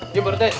iya pak rt